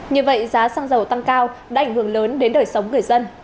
như vậy giá xăng dầu tăng cao đã ảnh hưởng lớn đến đời sống người dân